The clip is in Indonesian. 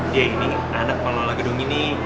dia ini anak pengelola gedung ini